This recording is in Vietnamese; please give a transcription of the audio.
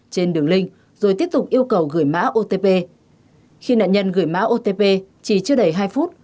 trên đường link rồi tiếp tục yêu cầu gửi mã otp khi nạn nhân gửi mã otp chỉ chưa đầy hai phút